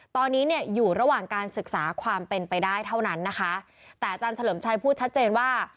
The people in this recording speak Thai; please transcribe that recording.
ตอนนี้เนี่ยอยู่ระหว่างการศึกษาความเป็นไปได้เท่านั้นนะคะแต่อาจารย์เฉลิมชัยพูดชัดเจนว่า